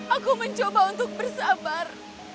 aku mencoba untuk bersabar